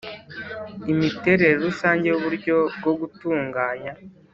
Imiterere rusange y uburyo bwo gutunganya